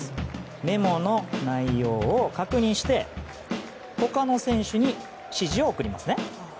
メモの内容を確認して他の選手に指示を送りますね。